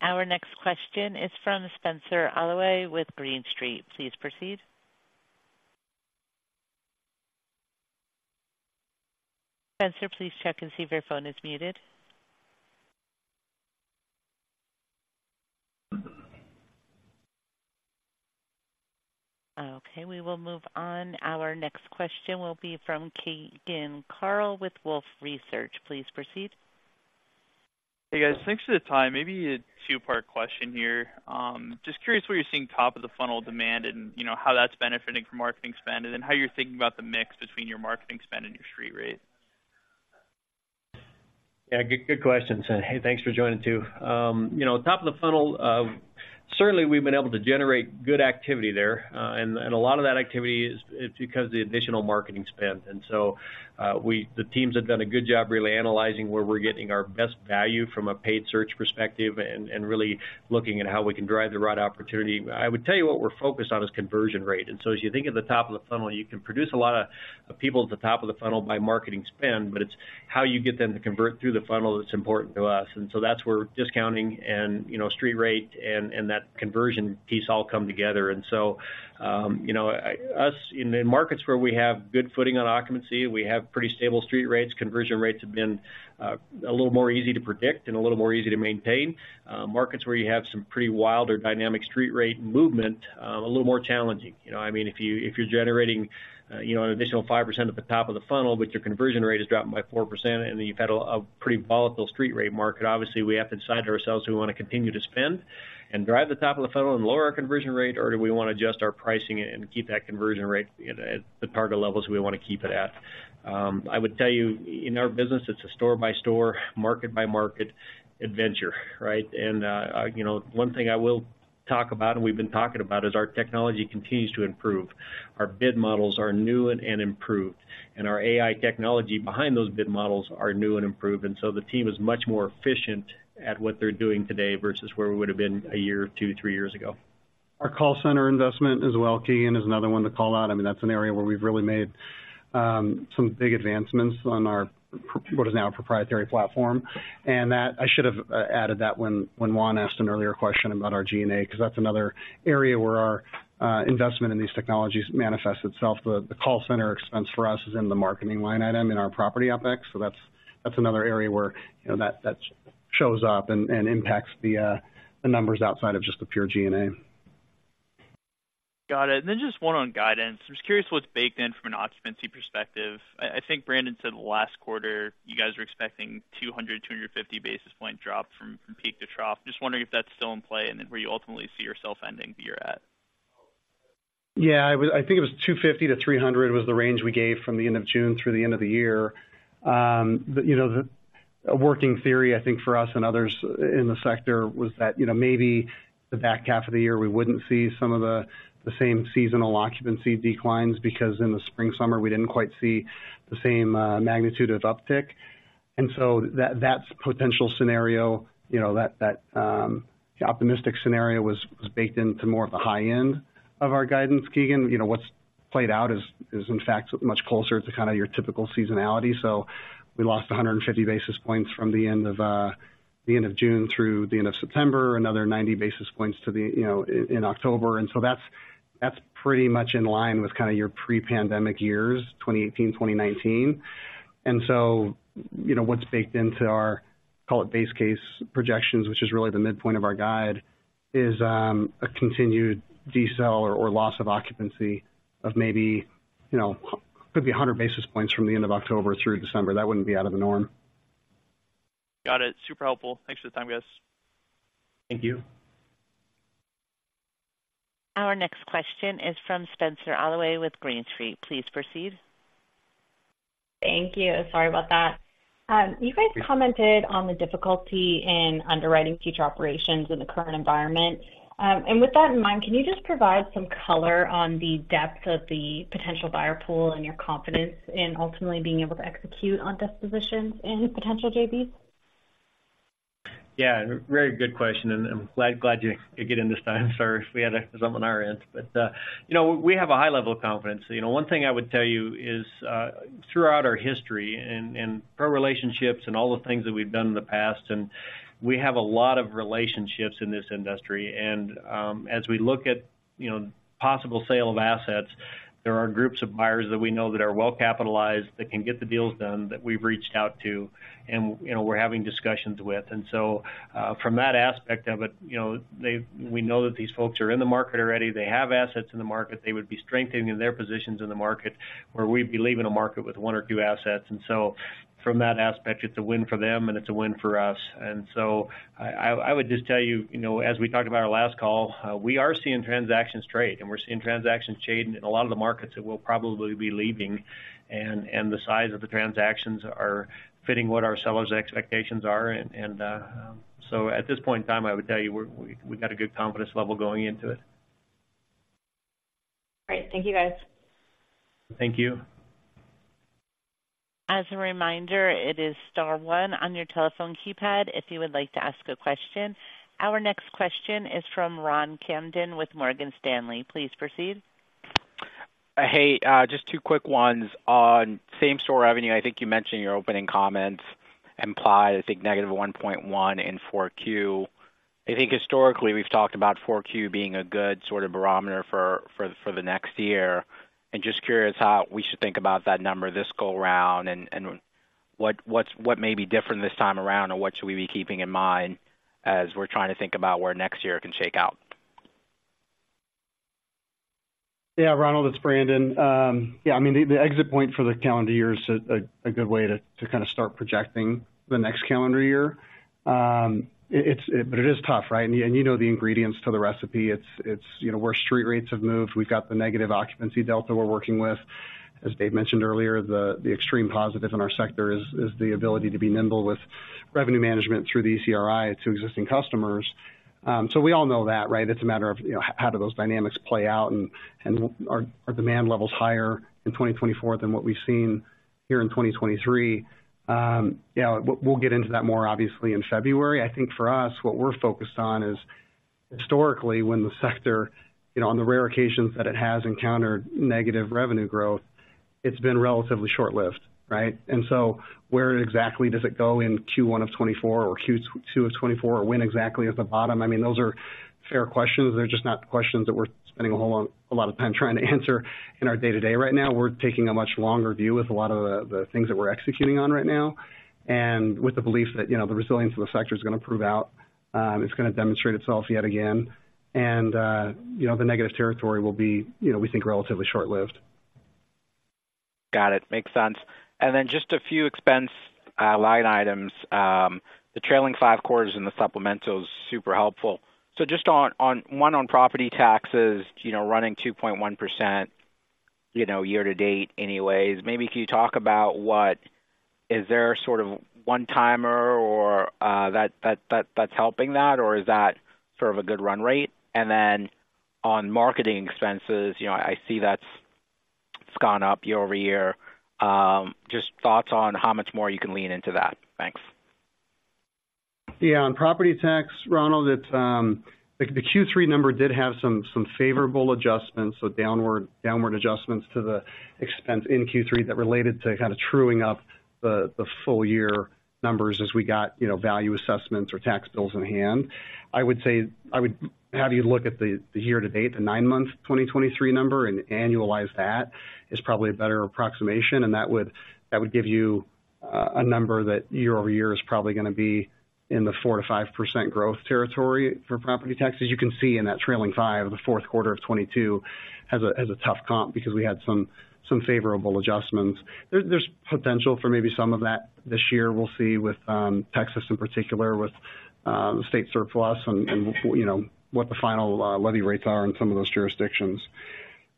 Our next question is from Spenser Allaway with Green Street. Please proceed. Spencer, please check and see if your phone is muted. Okay, we will move on. Our next question will be from Keegan Carl with Wolfe Research. Please proceed. Hey, guys. Thanks for the time. Maybe a two-part question here. Just curious what you're seeing top of the funnel demand and, you know, how that's benefiting from marketing spend, and then how you're thinking about the mix between your marketing spend and your street rate? Yeah, good, good question, Keegan. Hey, thanks for joining, too. You know, top of the funnel, certainly we've been able to generate good activity there, and a lot of that activity is because of the additional marketing spend. And so, the teams have done a good job really analyzing where we're getting our best value from a paid search perspective and really looking at how we can drive the right opportunity. I would tell you what we're focused on is conversion rate. And so as you think of the top of the funnel, you can produce a lot of people at the top of the funnel by marketing spend, but it's how you get them to convert through the funnel, that's important to us. So that's where discounting and, you know, street rate and that conversion piece all come together. You know, in the markets where we have good footing on occupancy, we have pretty stable street rates. Conversion rates have been a little more easy to predict and a little more easy to maintain. Markets where you have some pretty wild or dynamic street rate movement, a little more challenging. You know, I mean, if you, if you're generating, you know, an additional 5% at the top of the funnel, but your conversion rate has dropped by 4%, and you've had a pretty volatile street rate market, obviously, we have to decide to ourselves, do we want to continue to spend and drive the top of the funnel and lower our conversion rate, or do we want to adjust our pricing and keep that conversion rate at the target levels we want to keep it at? I would tell you, in our business, it's a store-by-store, market-by-market adventure, right? You know, one thing I will talk about, and we've been talking about, is our technology continues to improve. Our bid models are new and improved, and our AI technology behind those bid models are new and improved, and so the team is much more efficient at what they're doing today versus where we would have been a year or two, three years ago. Our call center investment as well, Keegan, is another one to call out. I mean, that's an area where we've really made some big advancements on our what is now a proprietary platform, and that... I should have added that when Juan asked an earlier question about our G&A, because that's another area where our investment in these technologies manifests itself. The call center expense for us is in the marketing line item in our property OpEx. So that's another area where, you know, that shows up and impacts the numbers outside of just the pure G&A. Got it. And then just one on guidance. I'm just curious what's baked in from an occupancy perspective. I think Brandon said the last quarter, you guys were expecting 200-250 basis points drop from peak to trough. Just wondering if that's still in play, and then where you ultimately see yourself ending the year at? Yeah, I think it was 250-300 was the range we gave from the end of June through the end of the year. The, you know, the working theory, I think, for us and others in the sector was that, you know, maybe the back half of the year, we wouldn't see some of the, the same seasonal occupancy declines, because in the spring, summer, we didn't quite see the same magnitude of uptick. And so that's potential scenario, you know, that, that the optimistic scenario was baked into more of the high end of our guidance, Keegan. You know, what's played out is in fact much closer to kind of your typical seasonality. So we lost 150 basis points from the end of the end of June through the end of September, another 90 basis points to the, you know, in October. And so that's, that's pretty much in line with kind of your pre-pandemic years, 2018, 2019. And so, you know, what's baked into our, call it, base case projections, which is really the midpoint of our guide, is a continued decel or loss of occupancy of maybe, you know, could be 100 basis points from the end of October through December. That wouldn't be out of the norm. Got it. Super helpful. Thanks for the time, guys. Thank you. Our next question is from Spencer Allaway with Green Street. Please proceed. Thank you. Sorry about that. You guys commented on the difficulty in underwriting future operations in the current environment. And with that in mind, can you just provide some color on the depth of the potential buyer pool and your confidence in ultimately being able to execute on dispositions and potential JVs? Yeah, very good question, and I'm glad, glad you could get in this time. Sorry if we had something on our end. But, you know, we have a high level of confidence. You know, one thing I would tell you is, throughout our history and, and our relationships and all the things that we've done in the past, and we have a lot of relationships in this industry. And, as we look at, you know, possible sale of assets, there are groups of buyers that we know that are well-capitalized, that can get the deals done, that we've reached out to and, you know, we're having discussions with. And so, from that aspect of it, you know, they-- we know that these folks are in the market already. They have assets in the market. They would be strengthening their positions in the market, where we'd be leaving a market with one or two assets. And so from that aspect, it's a win for them, and it's a win for us. And so I would just tell you, you know, as we talked about our last call, we are seeing transactions trade, and we're seeing transactions change hands in a lot of the markets that we'll probably be leaving, and so at this point in time, I would tell you, we've got a good confidence level going into it. Great. Thank you, guys. Thank you. As a reminder, it is star one on your telephone keypad if you would like to ask a question. Our next question is from Ron Kamdem with Morgan Stanley. Please proceed. Hey, just two quick ones. On Same-Store revenue, I think you mentioned in your opening comments, implying, I think, -1.1% in 4Q. I think historically, we've talked about 4Q being a good sort of barometer for the next year. And just curious how we should think about that number this go around and what’s what may be different this time around, or what should we be keeping in mind as we're trying to think about where next year can shake out? Yeah, Ronald, it's Brandon. Yeah, I mean, the exit point for the calendar year is a good way to kind of start projecting the next calendar year. It is tough, right? And you know the ingredients to the recipe. It's you know, where street rates have moved. We've got the negative occupancy delta we're working with. As Dave mentioned earlier, the extreme positive in our sector is the ability to be nimble with revenue management through the ECRI to existing customers. So we all know that, right? It's a matter of, you know, how do those dynamics play out and are demand levels higher in 2024 than what we've seen here in 2023? Yeah, we'll get into that more, obviously, in February. I think for us, what we're focused on is... Historically, when the sector, you know, on the rare occasions that it has encountered negative revenue growth, it's been relatively short-lived, right? And so where exactly does it go in Q1 of 2024 or Q2 of 2024, or when exactly is the bottom? I mean, those are fair questions. They're just not the questions that we're spending a lot of time trying to answer in our day-to-day right now. We're taking a much longer view with a lot of the things that we're executing on right now, and with the belief that, you know, the resilience of the sector is going to prove out, it's going to demonstrate itself yet again. And, you know, the negative territory will be, you know, we think, relatively short-lived. Got it. Makes sense. Then just a few expense line items. The trailing five quarters in the supplemental is super helpful. So just on one, on property taxes, you know, running 2.1%, you know, year-to-date anyway. Maybe can you talk about what? Is there a sort of one-timer or that that's helping that, or is that sort of a good run rate? And then on marketing expenses, you know, I see that's, it's gone up year-over-year. Just thoughts on how much more you can lean into that. Thanks. Yeah. On property tax, Ronald, it's the Q3 number did have some favorable adjustments, so downward adjustments to the expense in Q3 that related to kind of truing up the full year numbers as we got, you know, value assessments or tax bills in hand. I would say. I would have you look at the year to date, the nine-month 2023 number and annualize that, is probably a better approximation, and that would give you a number that year-over-year is probably going to be in the 4%-5% growth territory for property taxes. You can see in that trailing five, the fourth quarter of 2022 has a tough comp because we had some favorable adjustments. There's potential for maybe some of that this year. We'll see with Texas in particular, with state surplus and, you know, what the final levy rates are in some of those jurisdictions.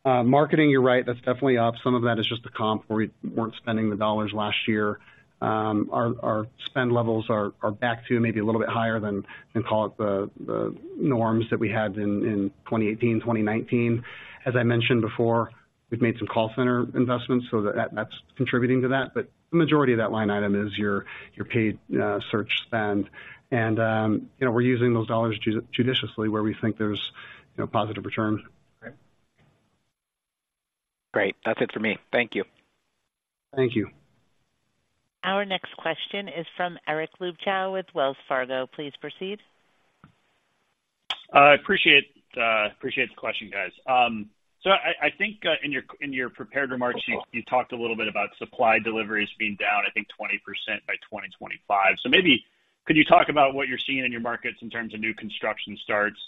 Marketing, you're right, that's definitely up. Some of that is just a comp, where we weren't spending the dollars last year. Our spend levels are back to maybe a little bit higher than call it the norms that we had in 2018, 2019. As I mentioned before, we've made some call center investments, so that's contributing to that. But the majority of that line item is your paid search spend. And you know, we're using those dollars judiciously where we think there's, you know, positive returns. Great. That's it for me. Thank you. Thank you. Our next question is from Eric Luebchow with Wells Fargo. Please proceed. Appreciate, appreciate the question, guys. So I think in your prepared remarks, you talked a little bit about supply deliveries being down, I think, 20% by 2025. So maybe could you talk about what you're seeing in your markets in terms of new construction starts?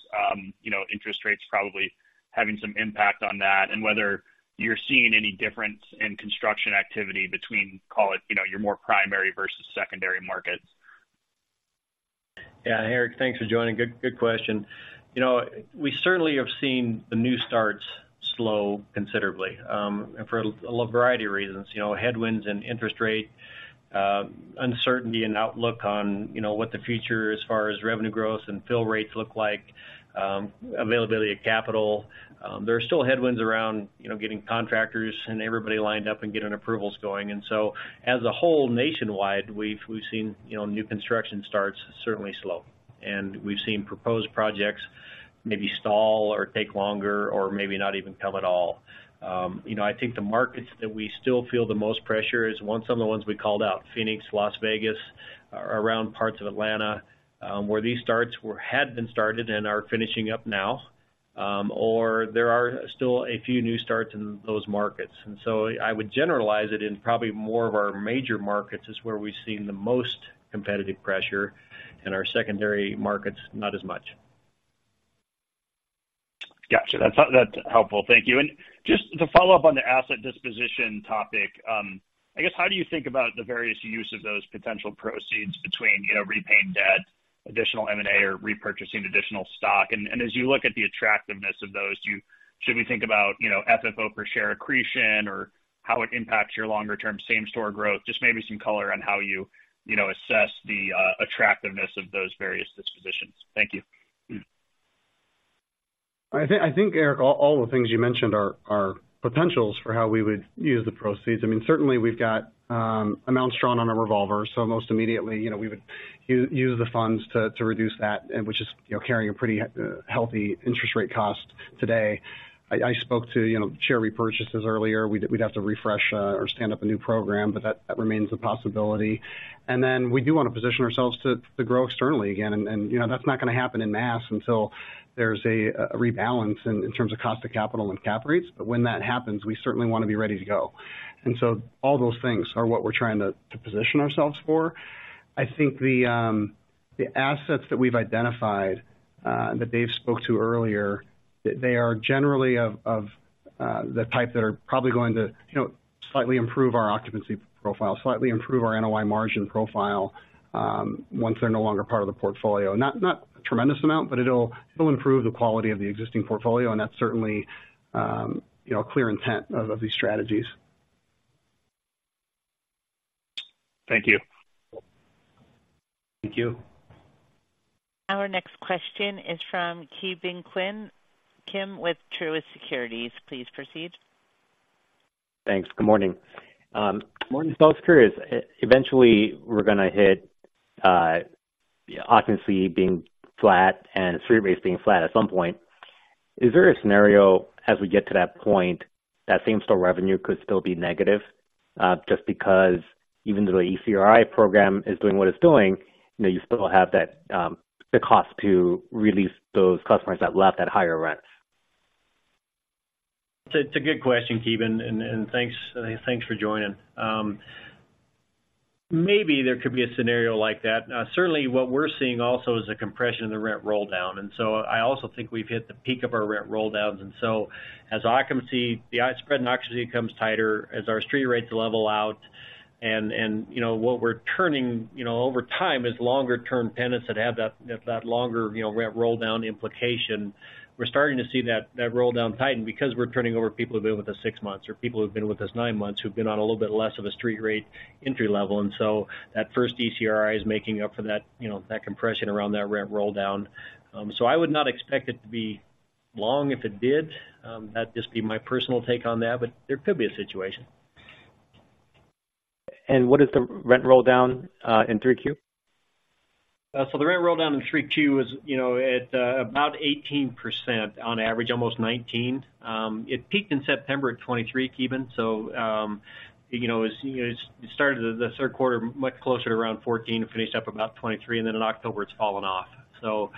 You know, interest rates probably having some impact on that, and whether you're seeing any difference in construction activity between, call it, you know, your more primary versus secondary markets. Yeah, Eric, thanks for joining. Good, good question. You know, we certainly have seen the new starts slow considerably, for a variety of reasons. You know, headwinds and interest rate uncertainty and outlook on, you know, what the future as far as revenue growth and fill rates look like, availability of capital. There are still headwinds around, you know, getting contractors and everybody lined up and getting approvals going. And so as a whole, nationwide, we've seen, you know, new construction starts certainly slow. And we've seen proposed projects maybe stall or take longer or maybe not even come at all. You know, I think the markets that we still feel the most pressure is ones, some of the ones we called out, Phoenix, Las Vegas, around parts of Atlanta, where these starts had been started and are finishing up now, or there are still a few new starts in those markets. And so I would generalize it in probably more of our major markets is where we've seen the most competitive pressure, in our secondary markets, not as much. Got you. That's helpful. Thank you. And just to follow up on the asset disposition topic, I guess, how do you think about the various use of those potential proceeds between, you know, repaying debt, additional M&A, or repurchasing additional stock? And as you look at the attractiveness of those, should we think about, you know, FFO per share accretion or how it impacts your longer-term same-store growth? Just maybe some color on how you, you know, assess the attractiveness of those various dispositions. Thank you. I think, Eric, all the things you mentioned are potentials for how we would use the proceeds. I mean, certainly we've got amounts drawn on our revolver, so most immediately, you know, we would use the funds to reduce that, and which is, you know, carrying a pretty healthy interest rate cost today. I spoke to, you know, share repurchases earlier. We'd have to refresh or stand up a new program, but that remains a possibility. And then we do want to position ourselves to grow externally again, and, you know, that's not going to happen En masse until there's a rebalance in terms of cost of capital and cap rates. But when that happens, we certainly want to be ready to go. And so all those things are what we're trying to position ourselves for. I think the assets that we've identified that Dave spoke to earlier, they are generally of the type that are probably going to, you know, slightly improve our occupancy profile, slightly improve our NOI margin profile once they're no longer part of the portfolio. Not a tremendous amount, but it'll improve the quality of the existing portfolio, and that's certainly, you know, a clear intent of these strategies. Thank you. Thank you. Our next question is from Ki Bin Kim. Kim with Truist Securities, please proceed. Thanks. Good morning. Morning. So I was curious, eventually, we're gonna hit, occupancy being flat and street rates being flat at some point. Is there a scenario as we get to that point, that same-store revenue could still be negative, just because even though the ECRI program is doing what it's doing, you know, you still have that, the cost to release those customers that left at higher rents? It's a good question, Ki Bin, and thanks, thanks for joining. Maybe there could be a scenario like that. Certainly, what we're seeing also is a compression of the rent rolldown. And so I also think we've hit the peak of our rent rolldown, and so as occupancy, the spread and occupancy becomes tighter, as our street rates level out, and, you know, what we're turning, you know, over time, is longer-term tenants that have that longer, you know, rent rolldown implication. We're starting to see that rolldown tighten because we're turning over people who've been with us six months or people who've been with us nine months, who've been on a little bit less of a street rate entry level. And so that first ECRI is making up for that, you know, that compression around that rent rolldown. So I would not expect it to be long if it did. That'd just be my personal take on that, but there could be a situation. What is the rent rolldown in 3Q? So the rent rolldown in 3Q is, you know, at about 18% on average, almost 19%. It peaked in September at 23%, Ki Bin. So, you know, as it started, the third quarter, much closer to around 14%, and finished up about 23%, and then in October, it's fallen off. So,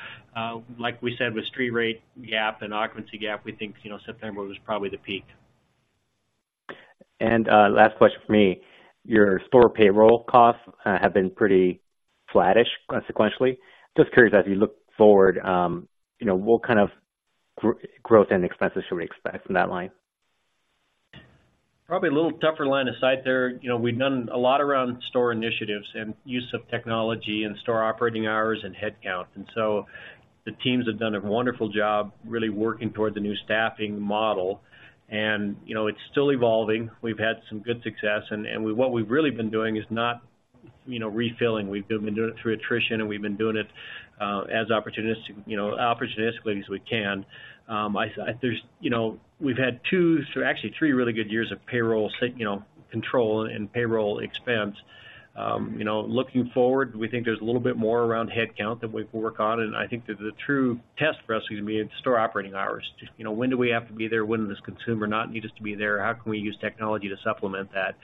like we said, with street rate gap and occupancy gap, we think, you know, September was probably the peak. Last question for me. Your store payroll costs have been pretty flattish sequentially. Just curious, as you look forward, you know, what kind of growth and expenses should we expect from that line? Probably a little tougher line of sight there. You know, we've done a lot around store initiatives and use of technology and store operating hours and headcount, and so the teams have done a wonderful job really working toward the new staffing model. You know, it's still evolving. We've had some good success, and what we've really been doing is not, you know, refilling. We've been doing it through attrition, and we've been doing it as opportunistic, you know, opportunistically as we can. There's... You know, we've had two, actually three really good years of payroll control and payroll expense. You know, looking forward, we think there's a little bit more around headcount that we can work on, and I think that the true test for us is going to be in store operating hours. You know, when do we have to be there? When does consumer not need us to be there? How can we use technology to supplement that?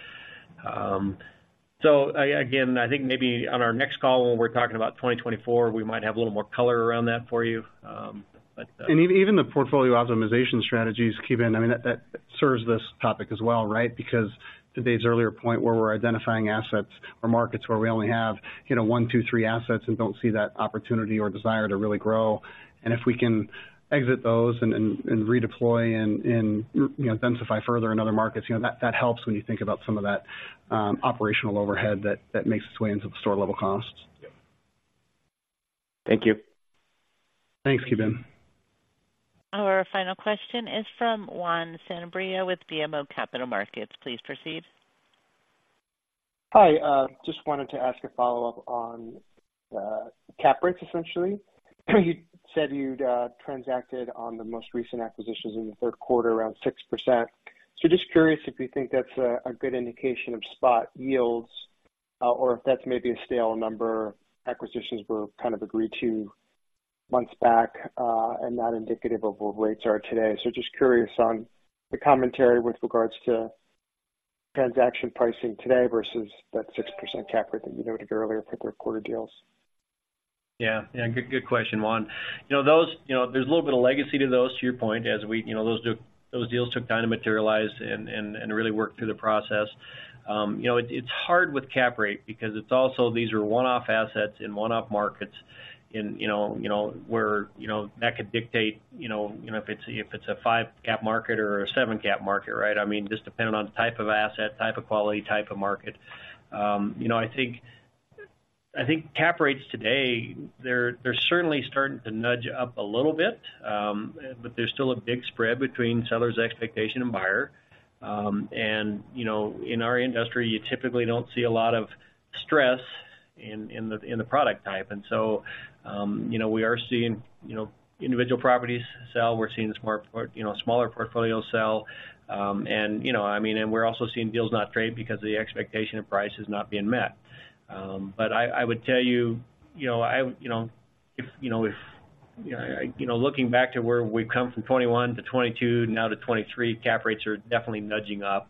So again, I think maybe on our next call, when we're talking about 2024, we might have a little more color around that for you, but. And even, even the portfolio optimization strategies, Ki Bin, I mean, that, that serves this topic as well, right? Because to Dave's earlier point, where we're identifying assets or markets where we only have, you know, one, two, three assets and don't see that opportunity or desire to really grow, and if we can exit those and, and, and redeploy and, and, you know, densify further in other markets, you know, that, that helps when you think about some of that, operational overhead, that, that makes its way into the store-level costs. Yep. Thank you. Thanks, Ki Bin. Our final question is from Juan Sanabria with BMO Capital Markets. Please proceed. Hi, just wanted to ask a follow-up on cap rates essentially. You said you'd transacted on the most recent acquisitions in the third quarter, around 6%. So just curious if you think that's a good indication of spot yields, or if that's maybe a stale number. Acquisitions were kind of agreed to months back, and not indicative of what rates are today. So just curious on the commentary with regards to transaction pricing today versus that 6% cap rate that you noted earlier for the third quarter deals. Yeah. Yeah, good, good question, Juan. You know, those. You know, there's a little bit of legacy to those, to your point, as we—you know, those deals took time to materialize and really work through the process. You know, it's hard with cap rate because it's also these are one-off assets and one-off markets and, you know, you know, where you know, that could dictate, you know, you know, if it's a five-cap market or a seven-cap market, right? I mean, just depending on the type of asset, type of quality, type of market. You know, I think cap rates today, they're certainly starting to nudge up a little bit, but there's still a big spread between seller's expectation and buyer. And, you know, in our industry, you typically don't see a lot of stress in the product type. And so, you know, we are seeing, you know, individual properties sell. We're seeing small portfolios sell. And, you know, I mean, and we're also seeing deals not trade because the expectation of price is not being met. But I would tell you, you know, if you know, looking back to where we've come from 2021 to 2022, now to 2023, cap rates are definitely nudging up.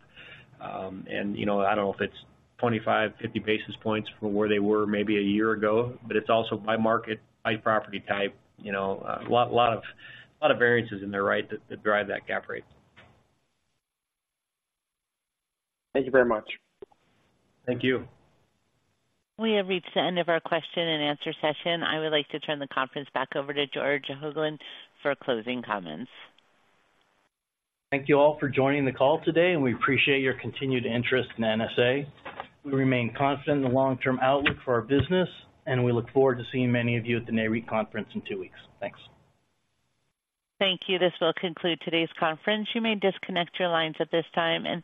And, you know, I don't know if it's 25, 50 basis points from where they were maybe a year ago, but it's also by market, by property type, you know, a lot of variances in there, right, that drive that cap rate. Thank you very much. Thank you. We have reached the end of our question-and-answer session. I would like to turn the conference back over to George Hoglund for closing comments. Thank you all for joining the call today, and we appreciate your continued interest in NSA. We remain confident in the long-term outlook for our business, and we look forward to seeing many of you at the Nareit conference in two weeks. Thanks. Thank you. This will conclude today's conference. You may disconnect your lines at this time, and thank you.